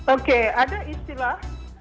oke ada istilah